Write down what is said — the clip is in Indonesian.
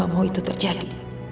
aku mau itu terjadi